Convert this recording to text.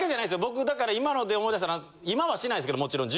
僕今ので思い出したのは今はしないですけどもちろん。